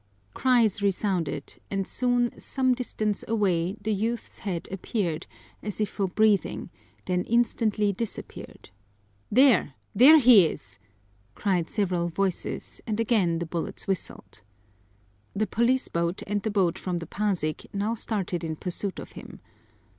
Cries resounded, and soon some distance away the youth's head appeared, as if for breathing, then instantly disappeared. "There, there he is!" cried several voices, and again the bullets whistled. The police boat and the boat from the Pasig now started in pursuit of him.